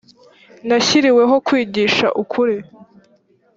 nashyiriweho kwigisha ukuri